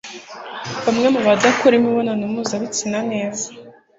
bamwe mu badakora imibonano mpuzabitsina neza